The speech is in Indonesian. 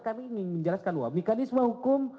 kami ingin menjelaskan bahwa mekanisme hukum